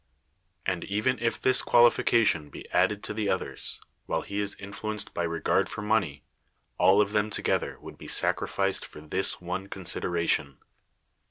And even if this qualification be added to the others, while he is influenced by regard for monej', all of them to gether would be sacrificed for this one considera tion.